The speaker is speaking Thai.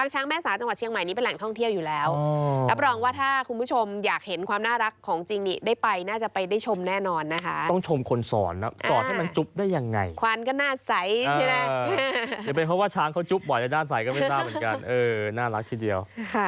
หรือเป็นเพราะว่าช้างเขาจุ๊บบ่อยแต่ด้านใสก็ไม่ทราบเหมือนกันน่ารักที่เดียว